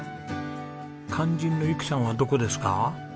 肝心のゆきさんはどこですか？